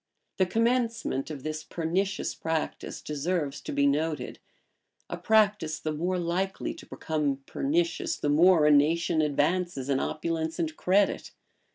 [] The commencement of this pernicious practice deserves to be noted; a practice the more likely to become pernicious, the more a nation advances in opulence and credit.